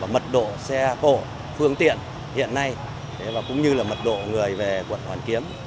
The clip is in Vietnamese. mật độ xe hổ phương tiện hiện nay cũng như là mật độ người về quận hoàn kiếm